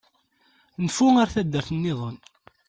Nfu ar taddart-nniḍen.